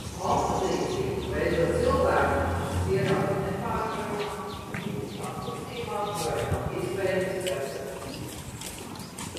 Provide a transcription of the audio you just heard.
Kompozīciju veido cilvēki, kas ierauti nepārvaramā stihiskā kustībā, kurai nav iespējams pretoties.